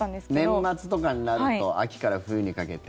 年末とかになると秋から冬にかけて。